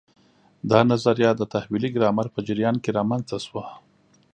دا نظریه د تحویلي ګرامر په جریان کې رامنځته شوه.